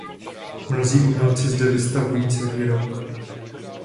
Mnozí umělci zde vystavují i celý rok.